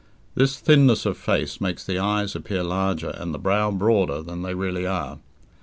This thinness of face makes the eyes appear larger and the brow broader than they really are.